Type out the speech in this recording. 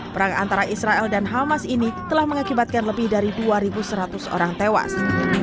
perang antara israel dan hamas ini telah mengakibatkan lebih dari dua seratus orang tewas